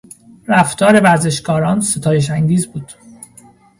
رفتار ورزشکاران ستایش انگیز بود.